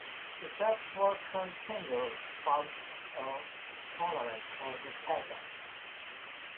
The top four contenders fought a tournament for the title.